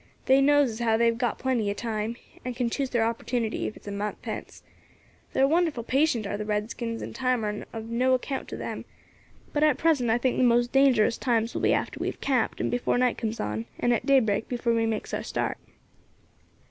They knows as how they have got plenty of time, and can choose their opportunity, if it's a month hence. They are wonderful patient, are the redskins, and time air of no account to them; but at present I think the most dangerous times will be after we have camped and before night comes on, and at daybreak before we makes our start."